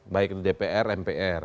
baik di dpr mpr